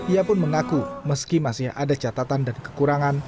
ia pun mengaku meski masih ada catatan dan kekurangan